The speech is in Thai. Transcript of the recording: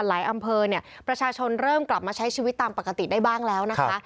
อำเภอเนี่ยประชาชนเริ่มกลับมาใช้ชีวิตตามปกติได้บ้างแล้วนะคะ